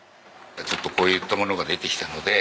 ちょっとこういったものが出てきたので。